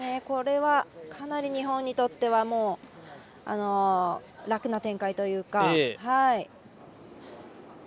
これは、かなり日本にとっては楽な展開というか。